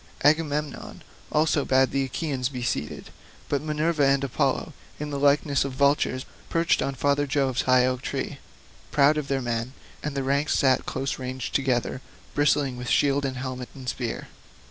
Agamemnon also bade the Achaeans be seated. But Minerva and Apollo, in the likeness of vultures, perched on father Jove's high oak tree, proud of their men; and the ranks sat close ranged together, bristling with shield and helmet and spear.